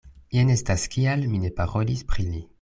Jen estas kial mi ne parolis pri li.